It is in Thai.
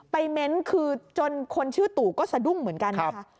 เม้นต์คือจนคนชื่อตู่ก็สะดุ้งเหมือนกันนะคะ